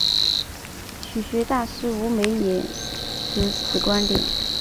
曲学大师吴梅也持此观点。